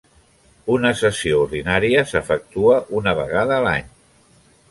Una sessió ordinària s'efectua una vegada a l'any.